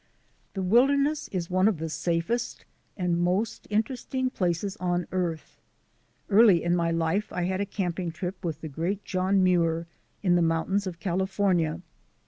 The wilderness is one of the safest and the most interesting places on earth. Early in my life I had a camping trip with the great John Muir in the mountains of California.